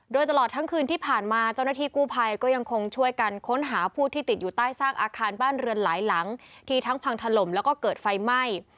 โดยตลอดทั้งคืนที่ผ่านมาเจ้าหน้าที่กู้ภัยก็ยังคงช่วยกันค้นหาผู้ที่ติดอยู่ใต้ซากอาคารบ้านเรือนหลายหลังที่ทั้งพังถล่มแล้วก็เกิดไฟไหม้